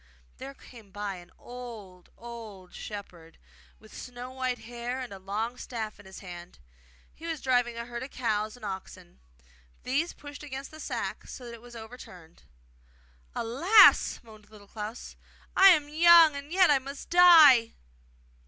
There came by an old, old shepherd, with snow white hair and a long staff in his hand. He was driving a herd of cows and oxen. These pushed against the sack so that it was overturned. 'Alas!' moaned Little Klans, 'I am so young and yet I must die!